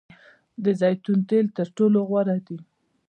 د زیتون تیل تر ټولو غوره دي.